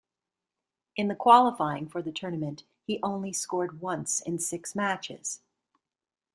In the qualifying for the tournament, he only scored once in six matches.